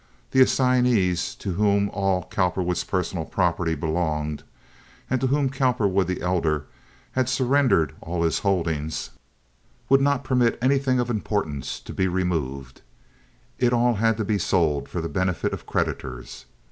The assignees, to whom all Cowperwood's personal property belonged, and to whom Cowperwood, the elder, had surrendered all his holdings, would not permit anything of importance to be removed. It had all to be sold for the benefit of creditors.